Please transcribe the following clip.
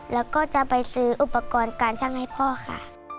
แล้วก็จะไปซื้ออุปกรณ์การช่างให้พ่อค่ะ